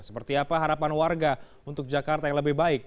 seperti apa harapan warga untuk jakarta yang lebih baik